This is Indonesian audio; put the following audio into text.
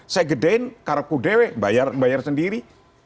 saya gedein karakudewi bayar sendiri